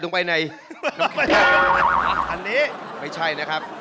ทุยนี้ครับ